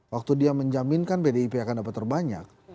waktu dia menjaminkan pdip akan dapat terbanyak